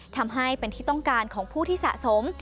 ทำให้เป็นที่ต้องการของผู้ที่สะสม